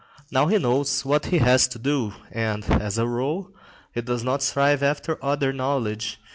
Now he knows what he has to do, and, as a rule, he does not strive after other knowledge.